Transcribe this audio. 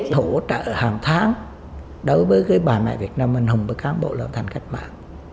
thổ trợ hàng tháng đối với bà mẹ việt nam anh hùng và cán bộ làm thành cách mạng